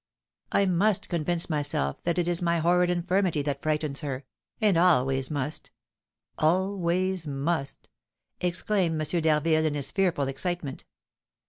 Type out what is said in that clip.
I must convince myself that it is my horrid infirmity that frightens her, and always must, always must!" exclaimed M. d'Harville, in his fearful excitement.